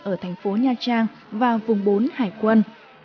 ở thành phố nha trang và vùng bốn hải quân